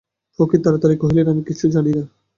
ফকির তাড়াতাড়ি কহিলেন, আমি কিছুই জানি না।